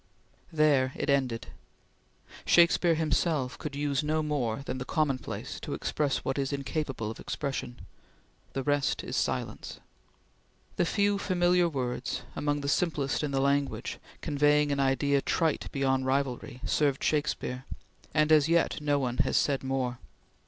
There it ended! Shakespeare himself could use no more than the commonplace to express what is incapable of expression. "The rest is silence!" The few familiar words, among the simplest in the language, conveying an idea trite beyond rivalry, served Shakespeare, and, as yet, no one has said more.